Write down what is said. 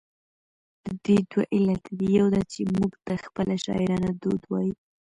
د دې دوه علته دي، يو دا چې، موږ ته خپله شاعرانه دود وايي،